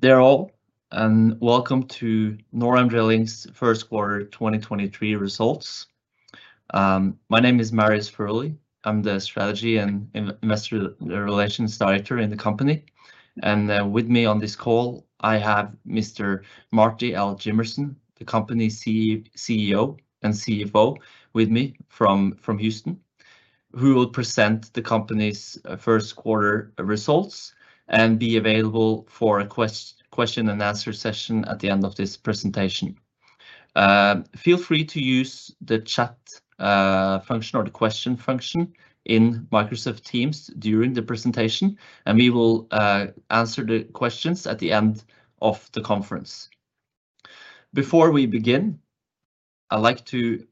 They're all and welcome to NorAm Drilling's Q1 2023 results. My name is Marius Furuly. I'm the strategy and investor relations director in the company. With me on this call, I have Mr. Marty L. Jimmerson, the company's CEO and CFO with me from Houston, who will present the company's Q1 results and be available for a question and answer session at the end of this presentation. Feel free to use the chat function or the question function in Microsoft Teams during the presentation, we will answer the questions at the end of the conference. Before we begin, I'd like to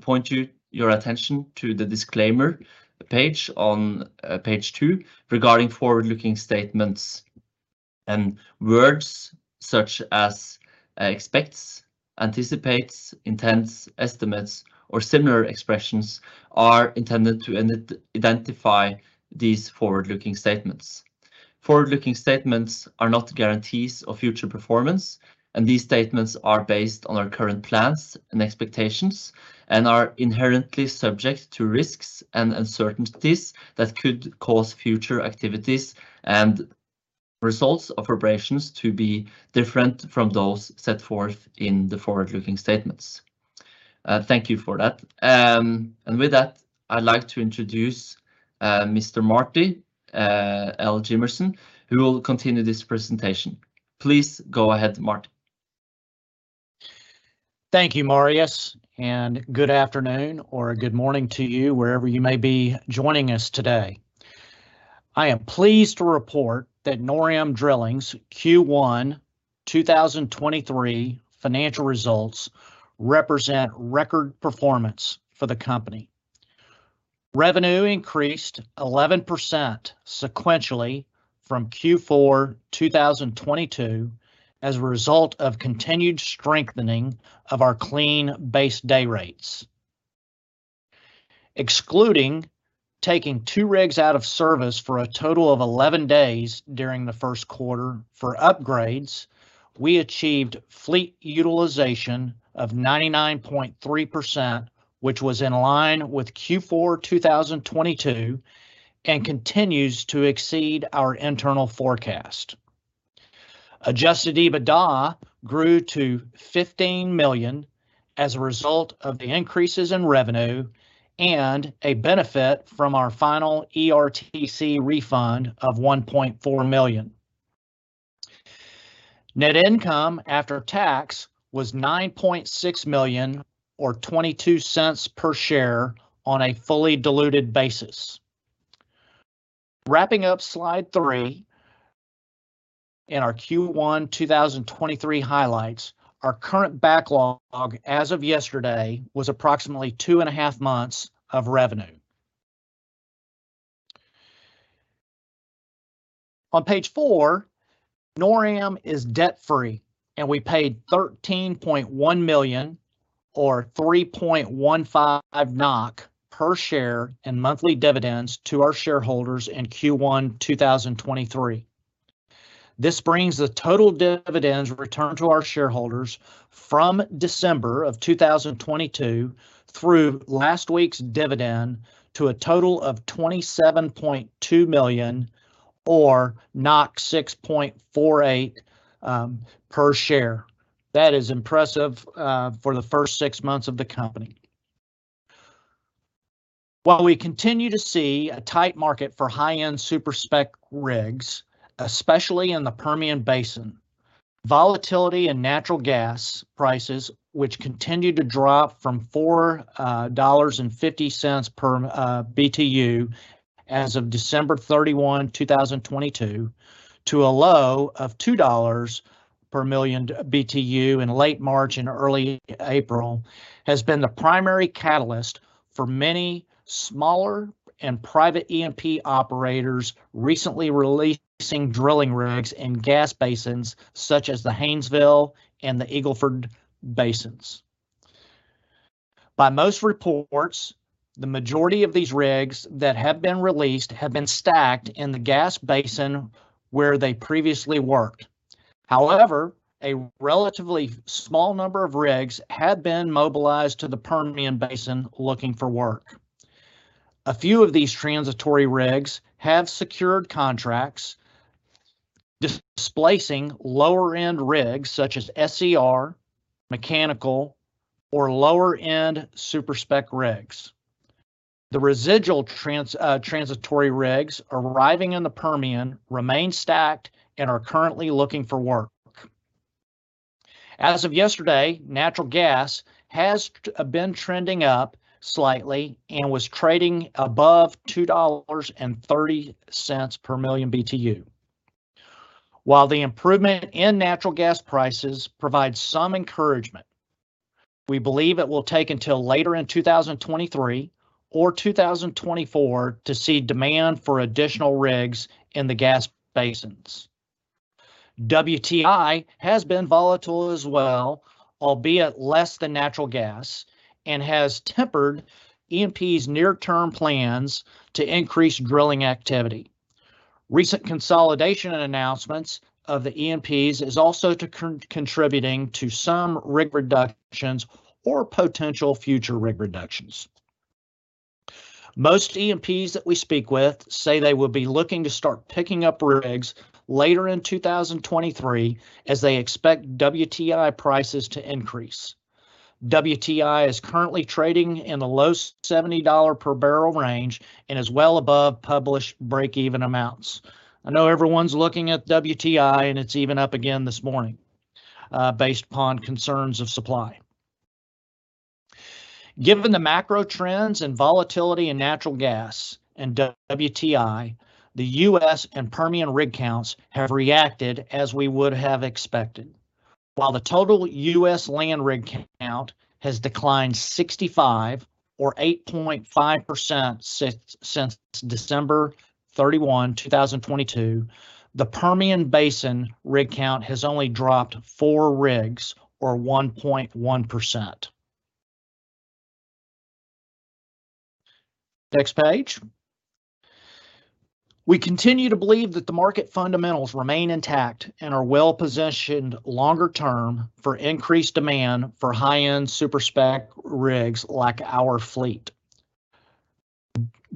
point your attention to the disclaimer page on page two regarding forward-looking statements. Words such as expects, anticipates, intends, estimates, or similar expressions are intended to identify these forward-looking statements. Forward-looking statements are not guarantees of future performance. These statements are based on our current plans and expectations and are inherently subject to risks and uncertainties that could cause future activities and results of operations to be different from those set forth in the forward-looking statements. Thank you for that. With that, I'd like to introduce Mr. Marty L. Jimmerson, who will continue this presentation. Please go ahead, Marty. Thank you, Marius. Good afternoon or good morning to you wherever you may be joining us today. I am pleased to report that NorAm Drilling's Q1 2023 financial results represent record performance for the company. Revenue increased 11% sequentially from Q4 2022 as a result of continued strengthening of our clean base day rates. Excluding taking 2 rigs out of service for a total of 11 days during the Q1 for upgrades, we achieved fleet utilization of 99.3%, which was in line with Q4 2022 and continues to exceed our internal forecast. Adjusted EBITDA grew to $15 million as a result of the increases in revenue and a benefit from our final ERTC refund of $1.4 million. Net income after tax was $9.6 million or $0.22 per share on a fully diluted basis. Wrapping up slide 3 in our Q1 2023 highlights, our current backlog as of yesterday was approximately two and a half months of revenue. On page 4, NorAm is debt-free, and we paid $13.1 million or 3.15 NOK per share in monthly dividends to our shareholders in Q1 2023. This brings the total dividends returned to our shareholders from December of 2022 through last week's dividend to a total of $27.2 million or 6.48 per share. That is impressive for the first six months of the company. While we continue to see a tight market for high-end Super-Spec rigs, especially in the Permian Basin, volatility in natural gas prices, which continued to drop from $4.50 per BTU as of December 31, 2022, to a low of $2 per million BTU in late March and early April, has been the primary catalyst for many smaller and private E&P operators recently releasing drilling rigs in gas basins such as the Haynesville and the Eagle Ford Basins. By most reports, the majority of these rigs that have been released have been stacked in the gas basin where they previously worked. However, a relatively small number of rigs have been mobilized to the Permian Basin looking for work. A few of these transitory rigs have secured contracts, displacing lower-end rigs such as SCR, mechanical, or lower-end Super-Spec rigs. The residual transitory rigs arriving in the Permian remain stacked and are currently looking for work. As of yesterday, natural gas has been trending up slightly and was trading above $2.30 per million BTU. While the improvement in natural gas prices provides some encouragement, we believe it will take until later in 2023 or 2024 to see demand for additional rigs in the gas basins. WTI has been volatile as well, albeit less than natural gas, and has tempered E&P's near-term plans to increase drilling activity. Recent consolidation and announcements of the E&Ps is also contributing to some rig reductions or potential future rig reductions. Most E&Ps that we speak with say they will be looking to start picking up rigs later in 2023 as they expect WTI prices to increase. WTI is currently trading in the low $70 per barrel range and is well above published breakeven amounts. I know everyone's looking at WTI. It's even up again this morning, based upon concerns of supply. Given the macro trends and volatility in natural gas and WTI, the U.S. and Permian rig counts have reacted as we would have expected. While the total U.S. land rig count has declined 65 or 8.5% since December 31, 2022, the Permian Basin rig count has only dropped 4 rigs or 1.1%. Next page. We continue to believe that the market fundamentals remain intact and are well-positioned longer term for increased demand for high-end Super-Spec rigs like our fleet.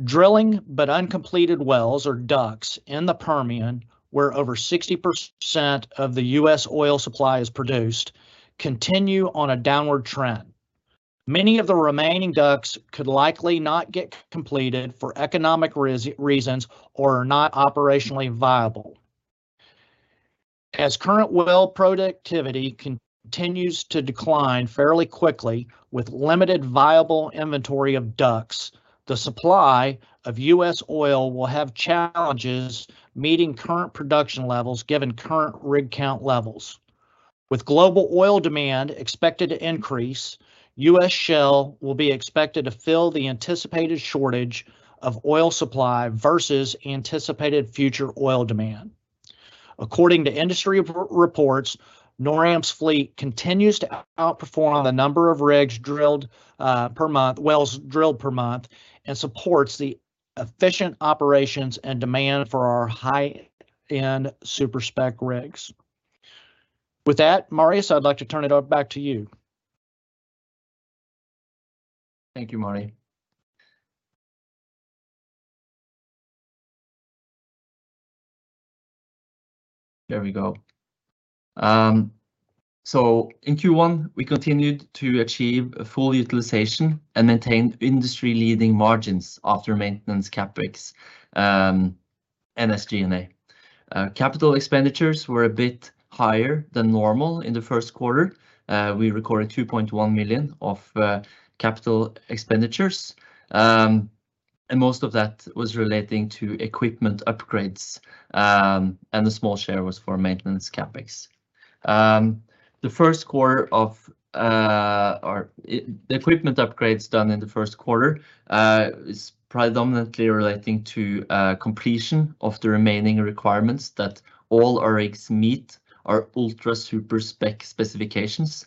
Drilled but Uncompleted wells or DUCs in the Permian, where over 60% of the U.S. oil supply is produced, continue on a downward trend. Many of the remaining DUCs could likely not get completed for economic reasons or are not operationally viable. As current well productivity continues to decline fairly quickly with limited viable inventory of DUCs, the supply of US oil will have challenges meeting current production levels given current rig count levels. With global oil demand expected to increase, U.S. shale will be expected to fill the anticipated shortage of oil supply versus anticipated future oil demand. According to industry reports, NorAm's fleet continues to outperform the number of rigs drilled per month, wells drilled per month and supports the efficient operations and demand for our high-end Super-Spec rigs. With that, Marius, I'd like to turn it back to you. Thank you, Marty. There we go. In Q1, we continued to achieve a full utilization and maintained industry-leading margins after maintenance CapEx, SG&A. Capital expenditures were a bit higher than normal in the Q1. We recorded $2.1 million of capital expenditures, and most of that was relating to equipment upgrades, and a small share was for maintenance CapEx. The Q1 equipment upgrades done in the Q1 is predominantly relating to completion of the remaining requirements that all our rigs meet our ultra Super-Spec specifications.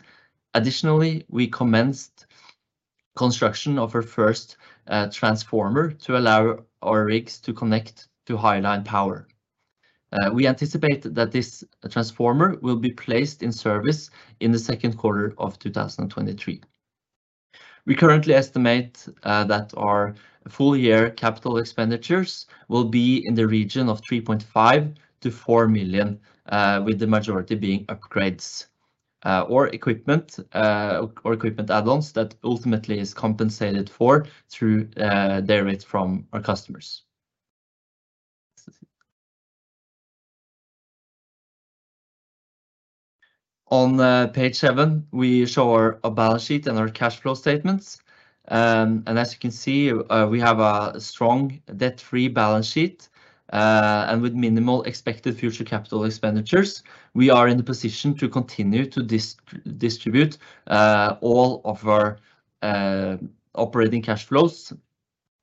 Additionally, we commenced construction of our first transformer to allow our rigs to connect to highline power. We anticipate that this transformer will be placed in service in the Q2 of 2023. We currently estimate that our full year capital expenditures will be in the region of $3.5 million-$4 million with the majority being upgrades or equipment or equipment add-ons that ultimately is compensated for through dayrate from our customers. On page 7, we show our balance sheet and our cash flow statements. As you can see, we have a strong debt-free balance sheet. With minimal expected future capital expenditures, we are in the position to continue to distribute all of our operating cash flows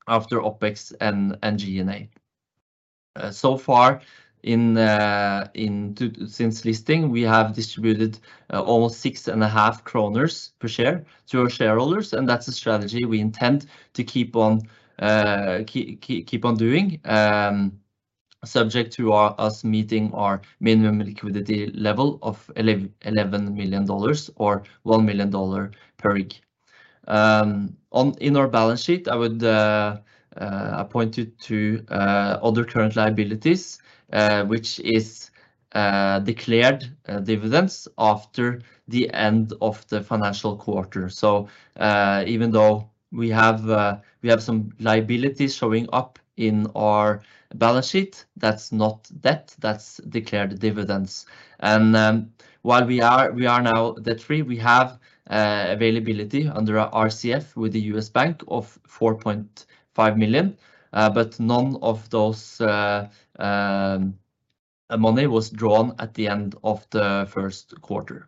after OpEx and G&A. So far in, since listing, we have distributed almost six and a half NOK per share to our shareholders. That's the strategy we intend to keep on doing, subject to our meeting our minimum liquidity level of $11 million or $1 million per rig. In our balance sheet, I would point you to other current liabilities, which is declared dividends after the end of the financial quarter. Even though we have some liabilities showing up in our balance sheet, that's not debt, that's declared dividends. While we are now debt-free, we have availability under our RCF with the US bank of $4.5 million, but none of those money was drawn at the end of the Q1.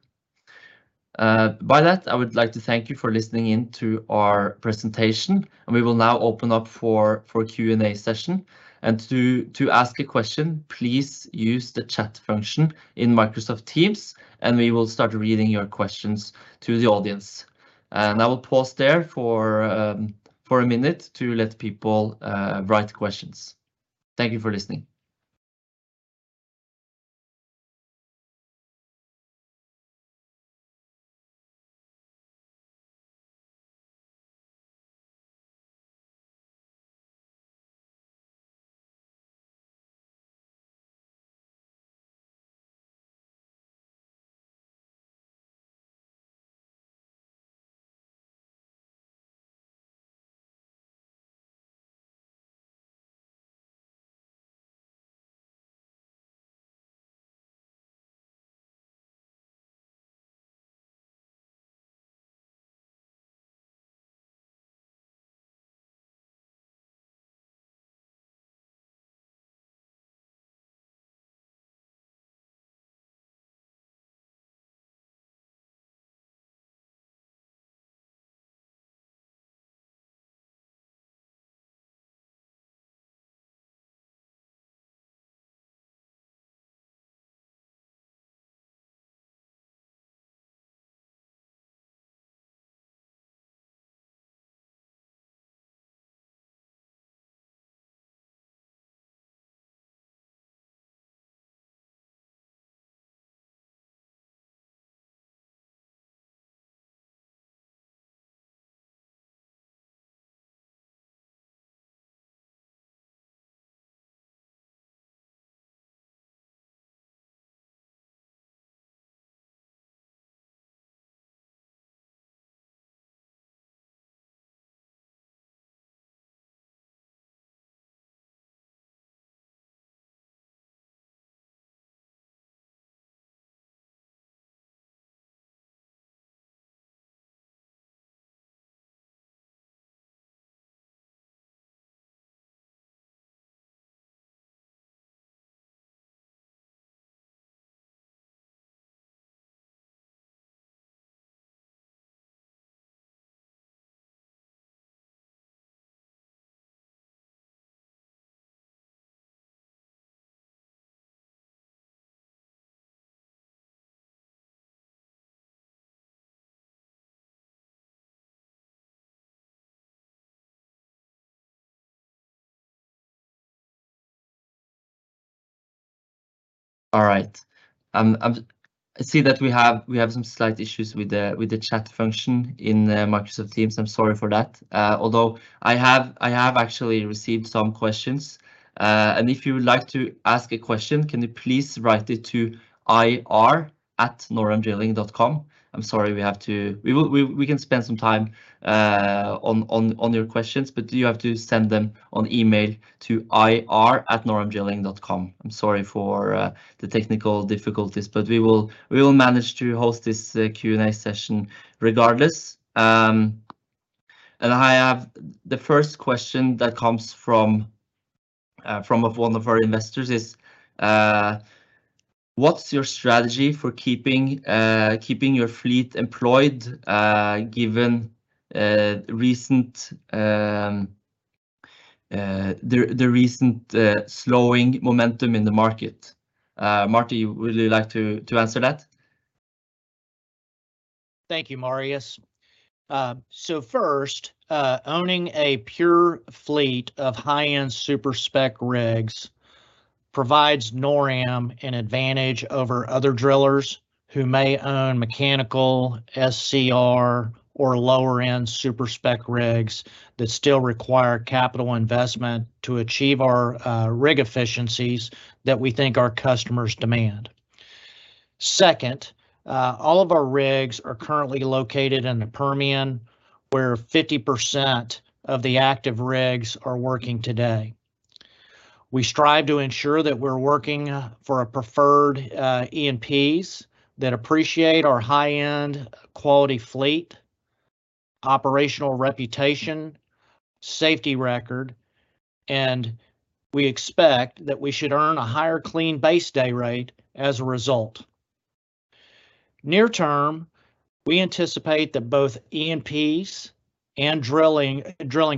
By that, I would like to thank you for listening into our presentation, and we will now open up for Q&A session. To ask a question, please use the chat function in Microsoft Teams, and we will start reading your questions to the audience. I will pause there for a minute to let people write questions. Thank you for listening. All right. I see that we have some slight issues with the chat function in Microsoft Teams. I'm sorry for that. Although, I have actually received some questions. If you would like to ask a question, can you please write it to ir@noramdrilling.com. I'm sorry, we have to. We can spend some time on your questions, but you have to send them on email to ir@noramdrilling.com. I'm sorry for the technical difficulties, but we will manage to host this Q&A session regardless. I have the first question that comes from one of our investors is, "What's your strategy for keeping your fleet employed given the recent slowing momentum in the market?" Marty, would you like to answer that? Thank you, Marius. First, owning a pure fleet of high-end Super-Spec rigs provides NorAm an advantage over other drillers who may own mechanical SCR or lower-end Super-Spec rigs that still require capital investment to achieve our rig efficiencies that we think our customers demand. Second, all of our rigs are currently located in the Permian, where 50% of the active rigs are working today. We strive to ensure that we're working for a preferred E&Ps that appreciate our high-end quality fleet, operational reputation, safety record, and we expect that we should earn a higher clean base day rate as a result. Near term, we anticipate that both E&Ps and drilling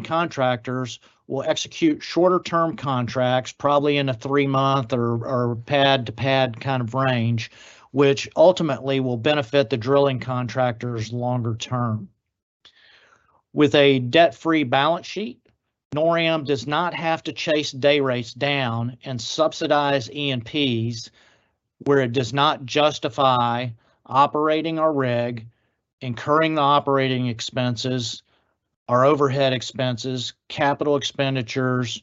contractors will execute shorter term contracts, probably in a 3-month or pad-to-pad kind of range, which ultimately will benefit the drilling contractors longer term. With a debt-free balance sheet, NorAm does not have to chase day rates down and subsidize E&Ps where it does not justify operating our rig, incurring the operating expenses, our overhead expenses, capital expenditures,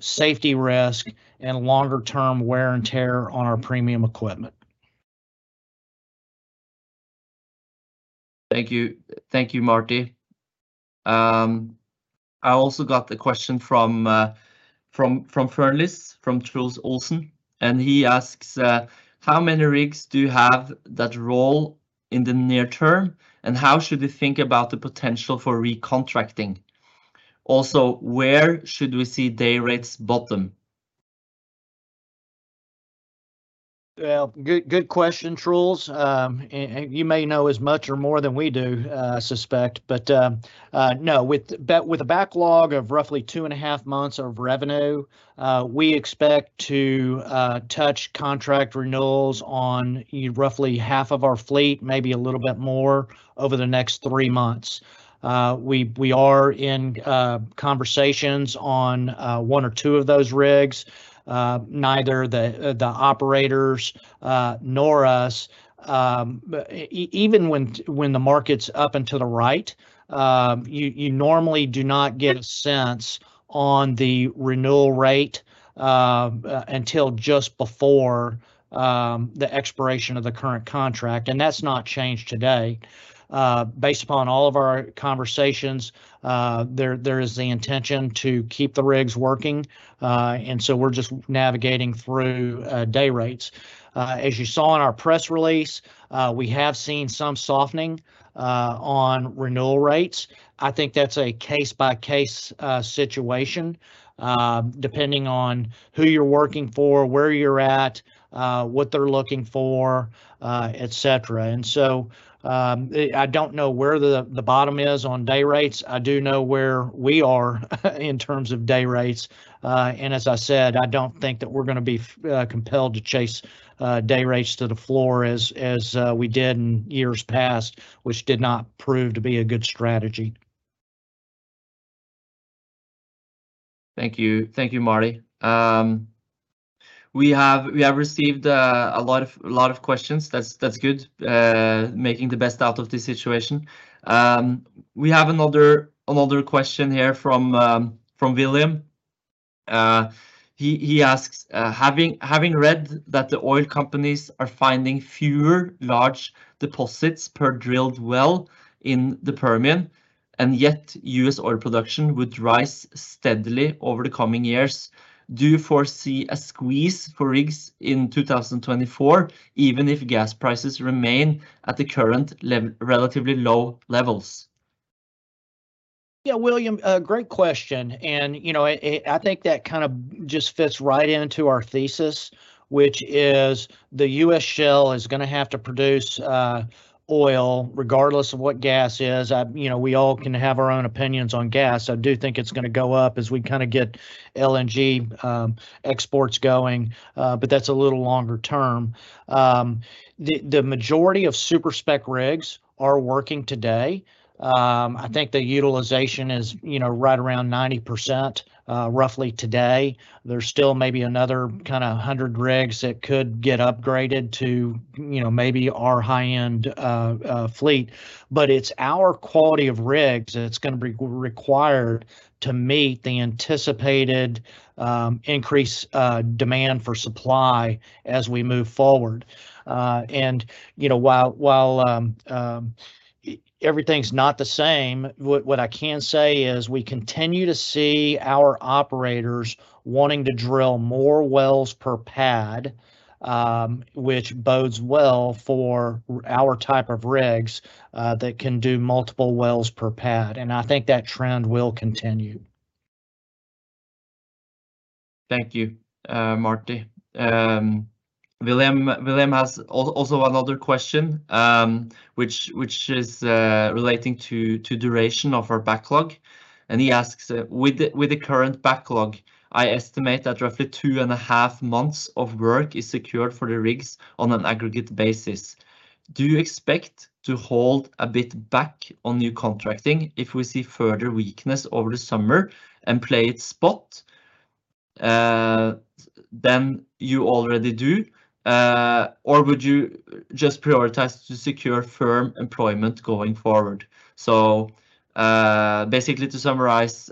safety risk, and longer-term wear and tear on our premium equipment. Thank you. Thank you, Marty. I also got a question from Fearnley Securities, from Truls Olsen, he asks, "How many rigs do you have that roll in the near term, and how should we think about the potential for recontracting? Also, where should we see day rates bottom? Well, good question, Truls. You may know as much or more than we do, I suspect. No, with the backlog of roughly two and a half months of revenue, we expect to touch contract renewals on roughly half of our fleet, maybe a little bit more over the next three months. We are in conversations on one or two of those rigs. Neither the operators nor us. Even when the market's up and to the right, you normally do not get a sense on the renewal rate until just before the expiration of the current contract. That's not changed today. Based upon all of our conversations, there is the intention to keep the rigs working. We're just navigating through day rates. As you saw in our press release, we have seen some softening on renewal rates. I think that's a case by case situation depending on who you're working for, where you're at, what they're looking for, et cetera. I don't know where the bottom is on day rates. I do know where we are in terms of day rates. As I said, I don't think that we're gonna be compelled to chase day rates to the floor as we did in years past, which did not prove to be a good strategy. Thank you. Thank you, Marty. We have received a lot of questions. That's good. Making the best out of this situation. We have another question here from William. He asks, "Having read that the oil companies are finding fewer large deposits per drilled well in the Permian and yet U.S. oil production would rise steadily over the coming years, do you foresee a squeeze for rigs in 2024 even if gas prices remain at the current relatively low levels? William, a great question. You know, I think that kind of just fits right into our thesis, which is the US shale is gonna have to produce oil regardless of what gas is. You know, we all can have our own opinions on gas. I do think it's gonna go up as we kinda get LNG exports going, but that's a little longer term. The majority of Super-Spec rigs are working today. I think the utilization is, you know, right around 90% roughly today. There's still maybe another kinda 100 rigs that could get upgraded to, you know, maybe our high-end fleet, but it's our quality of rigs that's gonna be required to meet the anticipated increase demand for supply as we move forward. You know, while everything's not the same, what I can say is we continue to see our operators wanting to drill more wells per pad, which bodes well for our type of rigs, that can do multiple wells per pad, and I think that trend will continue. Thank you, Marty. William also another question, which is relating to duration of our backlog, and he asks, "With the current backlog, I estimate that roughly two and a half months of work is secured for the rigs on an aggregate basis. Do you expect to hold a bit back on new contracting if we see further weakness over the summer and play it spot than you already do, or would you just prioritize to secure firm employment going forward?" Basically to summarize,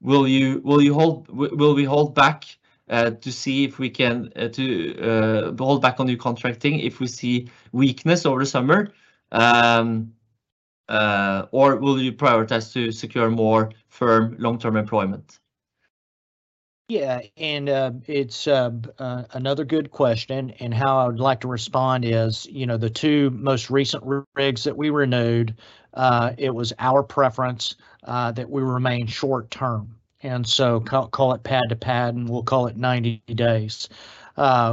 will you hold back to see if we can to hold back on new contracting if we see weakness over the summer, or will you prioritize to secure more firm long-term employment? Yeah, it's another good question, and how I would like to respond is, you know, the two most recent rigs that we renewed, it was our preference, that we remain short term, so call it pad-to-pad, and we'll call it 90 days.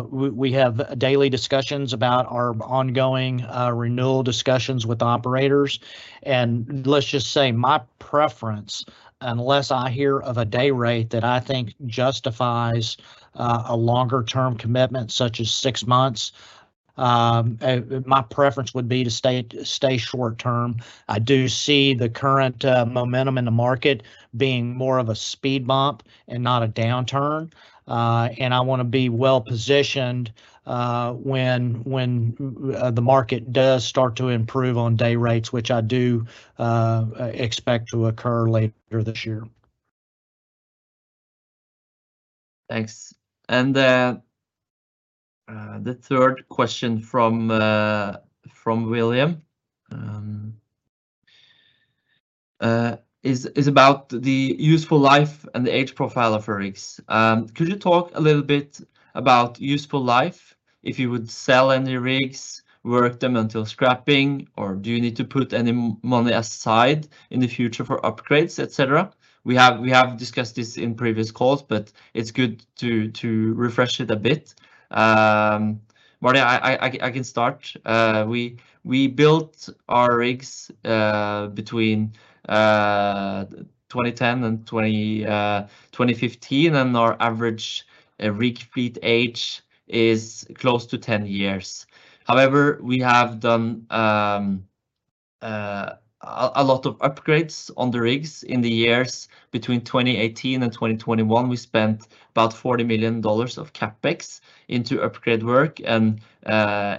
We have daily discussions about our ongoing renewal discussions with operators. Let's just say my preference, unless I hear of a dayrate that I think justifies, a longer term commitment such as 6 months, my preference would be to stay short term. I do see the current momentum in the market being more of a speed bump and not a downturn. I wanna be well positioned, when the market does start to improve on day rates, which I do expect to occur later this year. Thanks. The third question from William is about the useful life and the age profile of rigs. Could you talk a little bit about useful life? If you would sell any rigs, work them until scrapping, or do you need to put any money aside in the future for upgrades, et cetera? We have discussed this in previous calls, but it's good to refresh it a bit. Marty, I can start. We built our rigs between 2010 and 2015, and our average rig fleet age is close to 10 years. However, we have done a lot of upgrades on the rigs in the years between 2018 and 2021. We spent about $40 million of CapEx into upgrade work and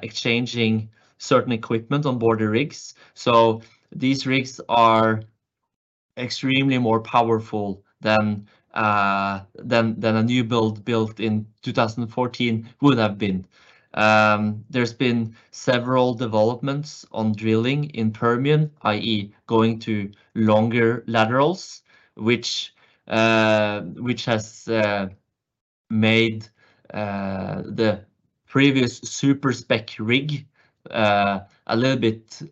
exchanging certain equipment on board the rigs. These rigs are extremely more powerful than a new build built in 2014 would have been. There's been several developments on drilling in Permian, i.e., going to longer laterals, which has made the previous Super-Spec rig a little bit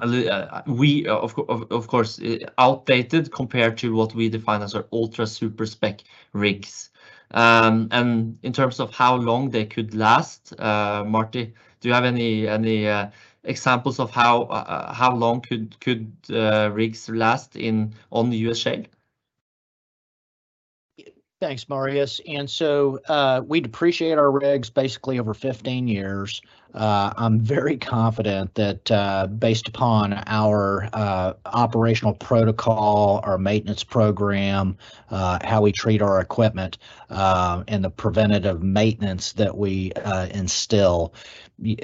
outdated compared to what we define as our ultra Super-Spec rigs. In terms of how long they could last, Marty, do you have any examples of how long could rigs last in, on the US shale? Thanks, Marius. We depreciate our rigs basically over 15 years. I'm very confident that, based upon our operational protocol, our maintenance program, how we treat our equipment, and the preventative maintenance that we instill,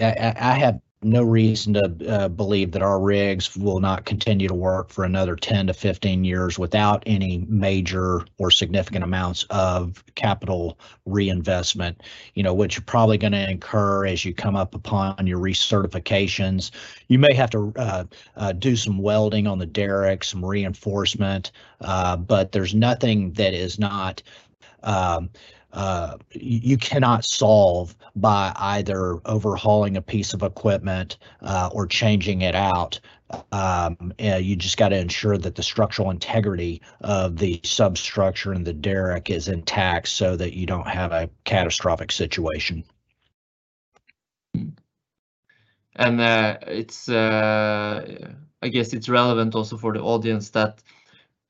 I have no reason to believe that our rigs will not continue to work for another 10 to 15 years without any major or significant amounts of capital reinvestment, you know, which you're probably gonna incur as you come up upon your recertifications. You may have to do some welding on the derrick, some reinforcement. There's nothing that is not, you cannot solve by either overhauling a piece of equipment or changing it out. You just gotta ensure that the structural integrity of the substructure and the derrick is intact so that you don't have a catastrophic situation. It's I guess it's relevant also for the audience that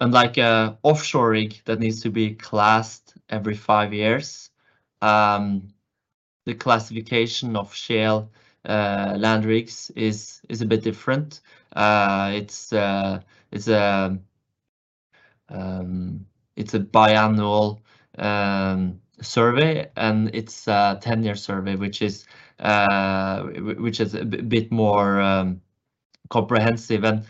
unlike an offshore rig that needs to be classed every 5 years, the classification of shale land rigs is a bit different. It's a biannual survey, and it's a 10-year survey, which is a bit more comprehensive.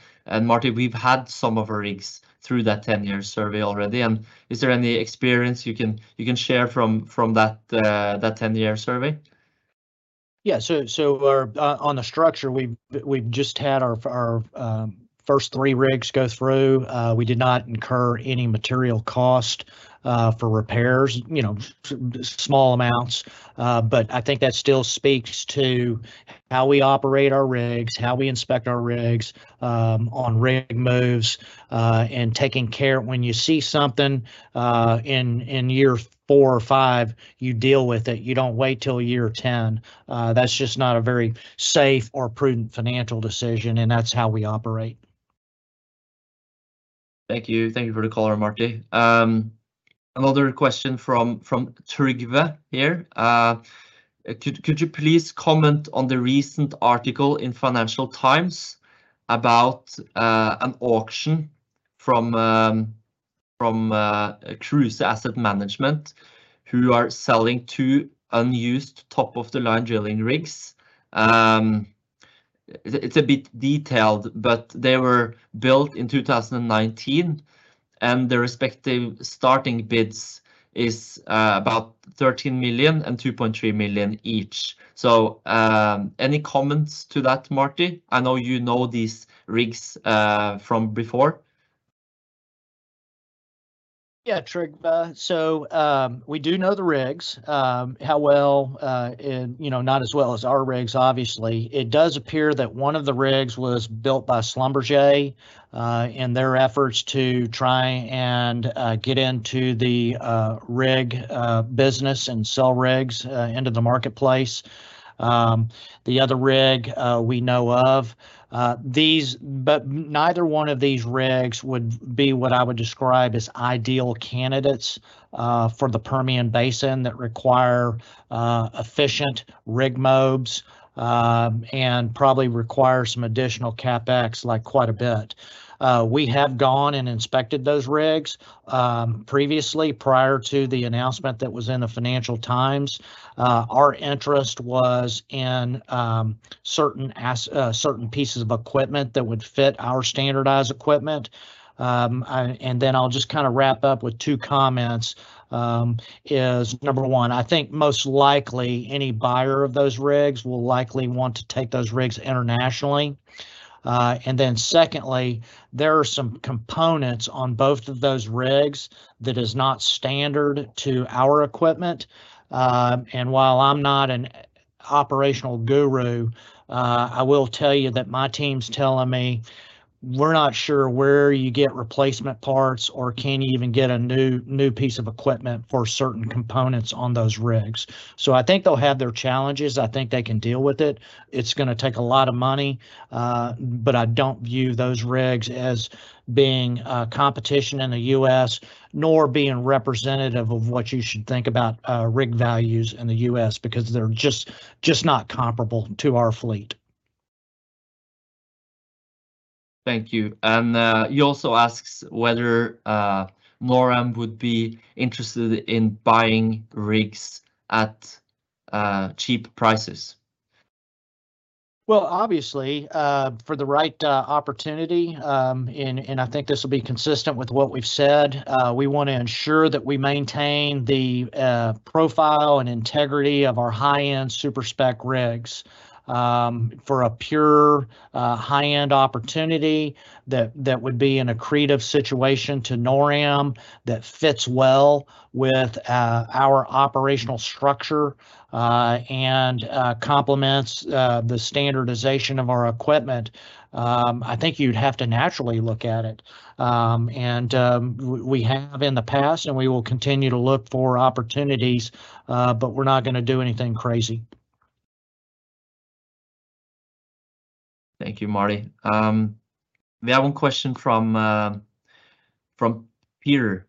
Marty, we've had some of our rigs through that 10-year survey already, and is there any experience you can share from that 10-year survey? So our on the structure, we've just had our first three rigs go through. We did not incur any material cost for repairs, you know, small amounts. But I think that still speaks to how we operate our rigs, how we inspect our rigs, on rig moves, and taking care. When you see something in year four or five, you deal with it. You don't wait till year 10. That's just not a very safe or prudent financial decision, and that's how we operate. Thank you. Thank you for the color, Marty. Another question from Trygve here. Could you please comment on the recent article in Financial Times about an auction from Kruse Asset Management who are selling two unused top-of-the-line drilling rigs? It's a bit detailed, but they were built in 2019, and their respective starting bids is about $13 million and $2.3 million each. Any comments to that, Marty? I know you know these rigs from before. Trygve, we do know the rigs, how well, and, you know, not as well as our rigs obviously. It does appear that one of the rigs was built by Schlumberger in their efforts to try and get into the rig business and sell rigs into the marketplace. The other rig we know of. But neither one of these rigs would be what I would describe as ideal candidates for the Permian Basin that require efficient rig moves and probably require some additional CapEx, like quite a bit. We have gone and inspected those rigs previously prior to the announcement that was in the Financial Times. Our interest was in certain pieces of equipment that would fit our standardized equipment. I'll just kind of wrap up with two comments, is number one, I think most likely any buyer of those rigs will likely want to take those rigs internationally. Secondly, there are some components on both of those rigs that is not standard to our equipment. While I'm not an operational guru, I will tell you that my team's telling me we're not sure where you get replacement parts or can you even get a new piece of equipment for certain components on those rigs. I think they'll have their challenges. I think they can deal with it. It's gonna take a lot of money, but I don't view those rigs as being a competition in the U.S., nor being representative of what you should think about, rig values in the U.S. because they're just not comparable to our fleet. Thank you. He also asks whether NorAm would be interested in buying rigs at cheap prices. Obviously, for the right opportunity, and I think this will be consistent with what we've said, we wanna ensure that we maintain the profile and integrity of our high-end Super-Spec rigs, for a pure, high-end opportunity that would be an accretive situation to NorAm that fits well with our operational structure, and complements the standardization of our equipment. I think you'd have to naturally look at it. We have in the past, and we will continue to look for opportunities, but we're not gonna do anything crazy. Thank you, Marty. We have one question from Peter.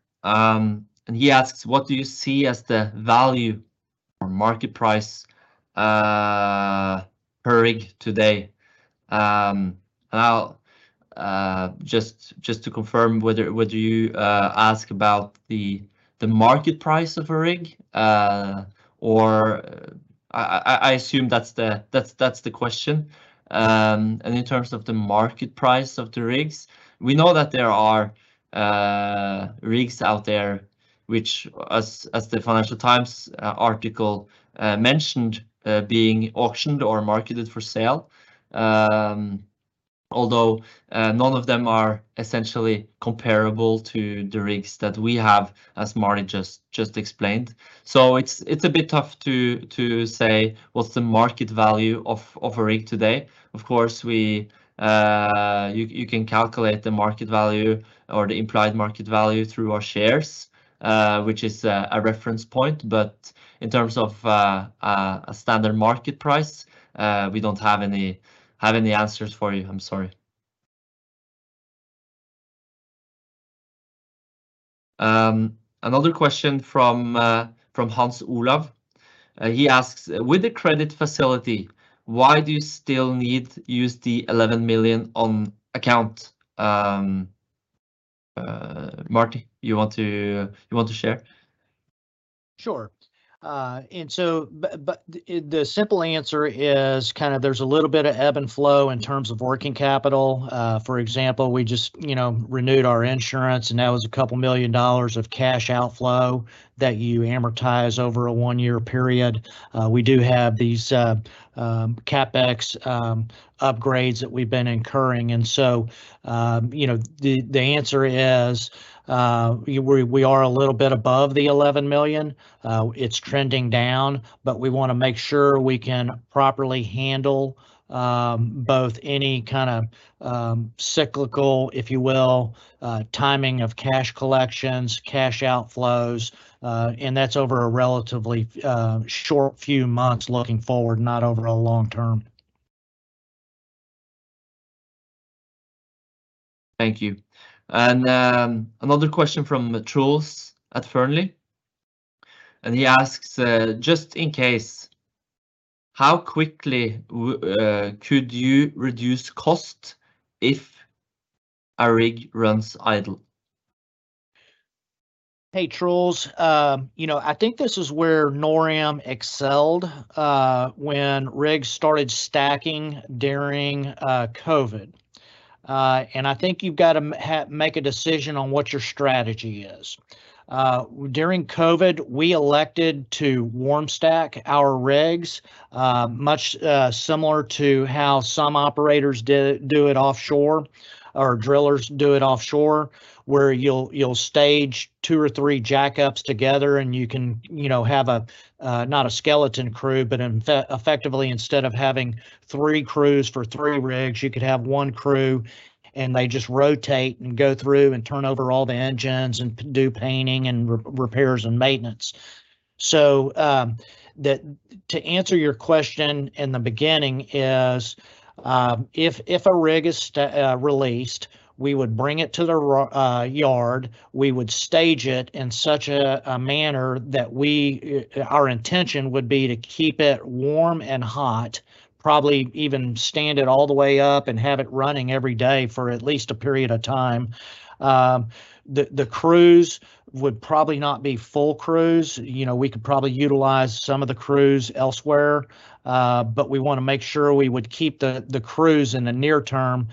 He asks, "What do you see as the value or market price per rig today?" I'll just to confirm, whether you ask about the market price of a rig, or I assume that's the question. In terms of the market price of the rigs, we know that there are rigs out there which as the Financial Times article mentioned, being auctioned or marketed for sale. Although none of them are essentially comparable to the rigs that we have as Marty just explained. It's a bit tough to say what's the market value of a rig today. Of course, we... You can calculate the market value or the implied market value through our shares, which is a reference point. In terms of a standard market price, we don't have any answers for you. I'm sorry. Another question from Hans-Olav Torgersrud. He asks, "With the credit facility, why do you still need use the $11 million on account?" Marty, you want to share? Sure. The simple answer is kind of there's a little bit of ebb and flow in terms of working capital. For example, we just, you know, renewed our insurance, and that was a couple million dollars of cash outflow that you amortize over a one-year period. We do have these CapEx upgrades that we've been incurring. The answer is, we are a little bit above the $11 million. It's trending down. We wanna make sure we can properly handle both any kinda cyclical, if you will, timing of cash collections, cash outflows, and that's over a relatively short few months looking forward, not over a long term. Thank you. Another question from Truls at Fearnley. He asks, "Just in case, how quickly could you reduce cost if a rig runs idle? Hey, Truls. you know, I think this is where NorAm excelled when rigs started stacking during COVID. I think you've gotta make a decision on what your strategy is. During COVID, we elected to warm stack our rigs much similar to how some operators did do it offshore, or drillers do it offshore, where you'll stage 2 or 3 jackups together and you can, you know, have a not a skeleton crew, but effectively, instead of having 3 crews for 3 rigs, you could have 1 crew, and they just rotate and go through and turn over all the engines and do painting and repairs and maintenance. To answer your question in the beginning is, if a rig is released, we would bring it to the yard. We would stage it in such a manner that we, our intention would be to keep it warm and hot, probably even stand it all the way up and have it running every day for at least a period of time. The crews would probably not be full crews. You know, we could probably utilize some of the crews elsewhere. We wanna make sure we would keep the crews in the near term,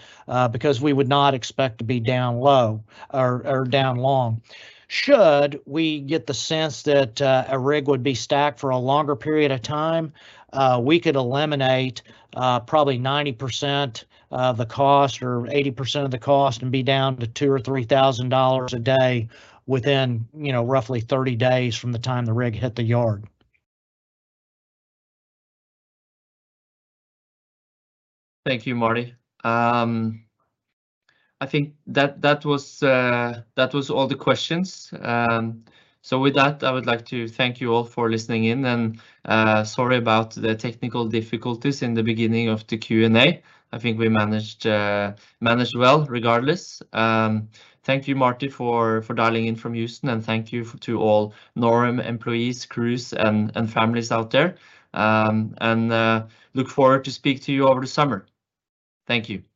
because we would not expect to be down low or down long. Should we get the sense that a rig would be stacked for a longer period of time, we could eliminate probably 90% of the cost or 80% of the cost and be down to $2,000 or $3,000 a day within, you know, roughly 30 days from the time the rig hit the yard. Thank you, Marty. I think that was all the questions. With that, I would like to thank you all for listening in and sorry about the technical difficulties in the beginning of the Q&A. I think we managed well regardless. Thank you, Marty, for dialing in from Houston and thank you to all NorAm employees, crews, and families out there. Look forward to speak to you over the summer. Thank you.